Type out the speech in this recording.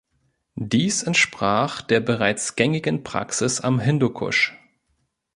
Dies entsprach der bereits gängigen Praxis am Hindukusch.